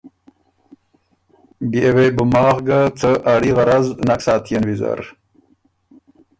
بيې وې بو ماخ ګه څه اړي غرض نک ساتيېن ویزر۔